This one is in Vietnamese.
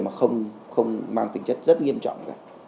mà không mang tính chất rất nghiêm trọng